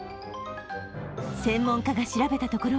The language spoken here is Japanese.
専門家が調べたところ